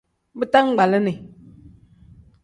Bitangbalini.